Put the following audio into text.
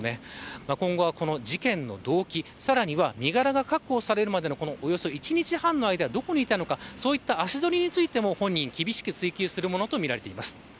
今後はこの事件の動機さらには身柄が確保されるまでのおよそ１日半の間どこにいたのか足取りについても本人、厳しく追及するものとみられています。